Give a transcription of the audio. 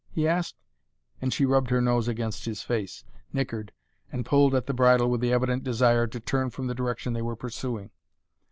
he asked, and she rubbed her nose against his face, nickered, and pulled at the bridle with the evident desire to turn from the direction they were pursuing.